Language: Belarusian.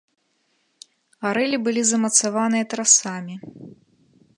Арэлі былі замацаваныя трасамі.